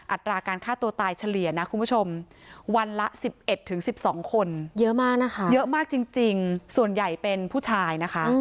อัตราการฆ่าตัวตายเฉลี่ยนะคุณผู้ชมวันละ๑๑๑๒คนเยอะมากนะคะเยอะมากจริงส่วนใหญ่เป็นผู้ชายนะคะ